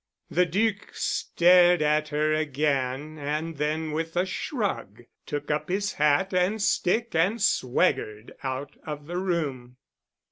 The Duc stared at her again and then with a shrug, took up his hat and stick and swaggered out of the room.